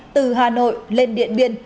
từ hà nội lên điện biên